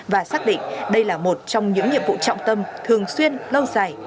và xác định đây là một trong những nhiệm vụ trọng tâm thường xuyên lâu dài